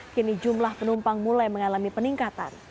kini jumlah penumpang mulai mengalami peningkatan